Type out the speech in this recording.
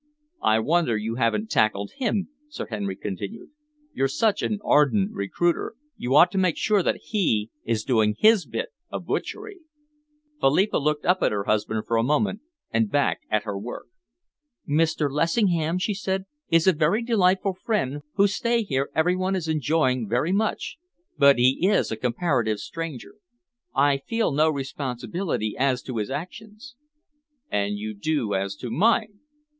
"I wonder you haven't tackled him," Sir Henry continued. "You're such an ardent recruiter, you ought to make sure that he is doing his bit of butchery." Philippa looked up at her husband for a moment and back at her work. "Mr. Lessingham," she said, "is a very delightful friend, whose stay here every one is enjoying very much, but he is a comparative stranger. I feel no responsibility as to his actions." "And you do as to mine?"